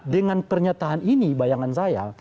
dengan pernyataan ini bayangan saya